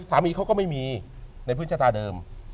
สามีเขาก็ไม่มีในพื้นชะตาเดิม